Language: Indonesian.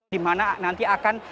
dimana nanti akan